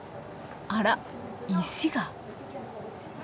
あら石が。